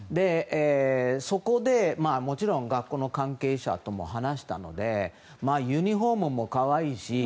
そこでもちろん学校の関係者とも話したのでユニホームも可愛いし。